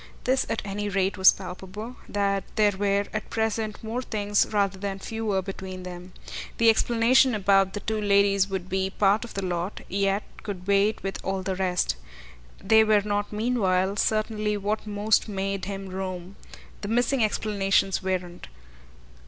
This at any rate was palpable, that there were at present more things rather than fewer between them. The explanation about the two ladies would be part of the lot, yet could wait with all the rest. They were not meanwhile certainly what most made him roam the missing explanations weren't.